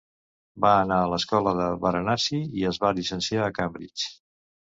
Va anar a l'escola a Varanasi i es va llicenciar a Cambridge.